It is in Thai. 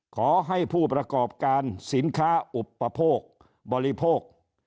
ขอให้ผู้ประกอบการสินค้าอุปโภคบริโภค